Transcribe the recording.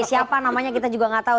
siapa namanya kita juga nggak tahu